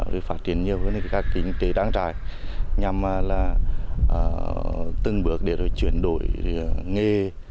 để phát triển nhiều với các kinh tế đáng trải nhằm là từng bước để rồi chuyển đổi nghề